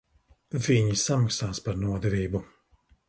Viņi samaksās par nodevību.